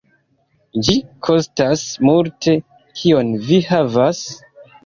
Ĝi kostas multe. Kion vi havas?"